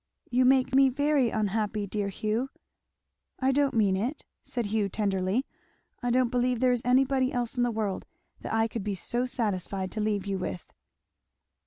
"You make me very unhappy, dear Hugh." "I don't mean it," said Hugh tenderly. "I don't believe there is anybody else in the world that I could be so satisfied to leave you with."